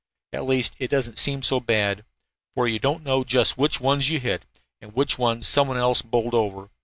At least, it doesn't seem so bad, for you don't know just which ones you hit and which ones some one else bowled over.